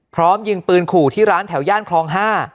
พร้อมยิงปืนขู่ที่ร้านแถวย่านคลอง๕